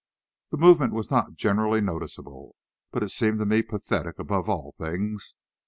The movement was not generally noticeable, but it seemed to me pathetic above all things.